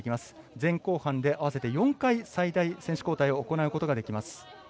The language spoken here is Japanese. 前後半であわせて４回最大選手交代を行うことができます。